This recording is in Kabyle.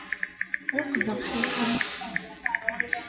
Ɛuqbeɣ Ḥasan.